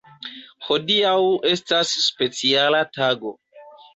Hodiaŭ estas speciala tago.